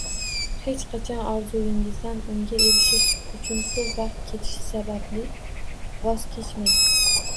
Hech qachon orzuingizdan unga erishish uchun ko’p vaqt ketishi sababli voz kechmang